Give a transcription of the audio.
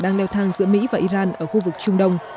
đang leo thang giữa mỹ và iran ở khu vực trung đông